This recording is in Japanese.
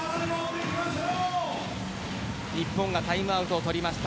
日本がタイムアウトを取りました。